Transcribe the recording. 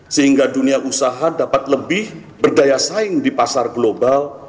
sehingga dunia usaha dapat lebih berdaya saing di pasar global